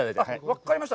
分かりました。